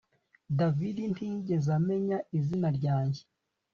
David ntiyigeze amenya izina ryanjye